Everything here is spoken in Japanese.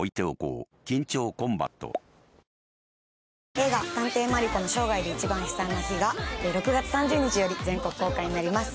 映画「探偵マリコの生涯で一番悲惨な日」が６月３０日より全国公開になります。